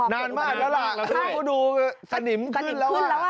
นานมากแล้วละดูสนิมขึ้นแล้วอ่ะ